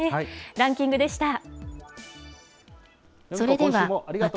ランキングでした。